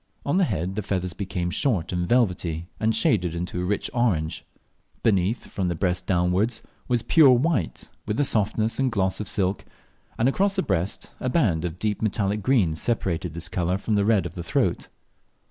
On the head the feathers became short and velvety, and shaded into rich orange. Beneath, from the breast downwards, was pure white, with the softness and gloss of silk, and across the breast a band of deep metallic green separated this colour from the red of the throat.